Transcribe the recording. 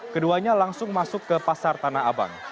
keduanya langsung masuk ke pasar tanah abang